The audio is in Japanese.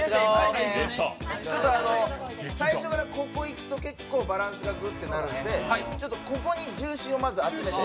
最初からここいくと結構、バランスがグッとなるのでちょっとここに重心をまず集めて。